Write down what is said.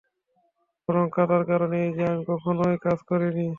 বরং কাদার কারণ এই যে, আমি কখনও এ কাজ করিনি।